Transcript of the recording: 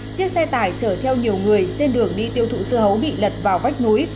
chiếc xe tải chở theo nhiều người trên đường đi tiêu thụ dưa hấu bị lật vào vách núi